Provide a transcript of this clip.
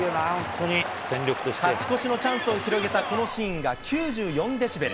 勝ち越しのチャンスを広げたこのシーンが９４．デシベル。